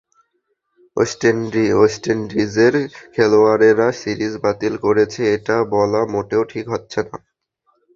West ইন্ডিজের খেলোয়াড়েরা series বাতিল করেছে এটা বলা মোটেও ঠিক হচ্ছে না।